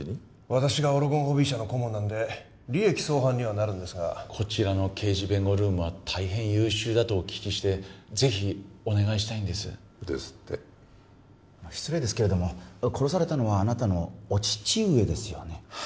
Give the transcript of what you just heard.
私がオロゴンホビー社の顧問なので利益相反にはなるんですがこちらの刑事弁護ルームは大変優秀だとお聞きしてぜひお願いしたいんですですって失礼ですが殺されたのはあなたのお父上ですよね？は